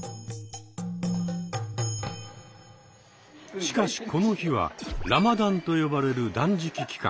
しかしこの日は「ラマダン」と呼ばれる断食期間。